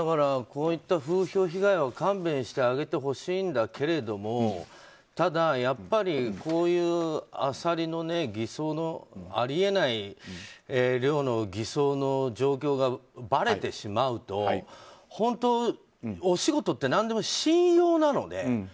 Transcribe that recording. こういった風評被害は勘弁してあげてほしいんだけれどもただ、やっぱりこういうアサリの偽装のあり得ない量の偽装の状況がばれてしまうと、お仕事って何でも信用なので。